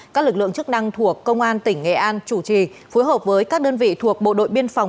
các lực lượng chức năng thuộc công an tỉnh nghệ an chủ trì phối hợp với các đơn vị thuộc bộ đội biên phòng